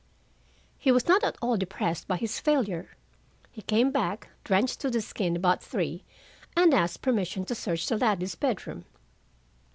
He was not at all depressed by his failure. He came back, drenched to the skin, about three, and asked permission to search the Ladleys' bedroom.